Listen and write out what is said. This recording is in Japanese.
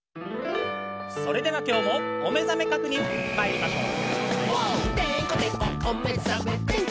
それではきょうもおめざめ確認まいりましょう！